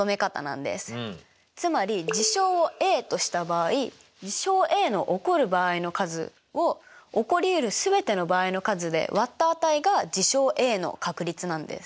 つまり事象をＡとした場合事象Ａの起こる場合の数を起こりうるすべての場合の数で割った値が事象Ａの確率なんです。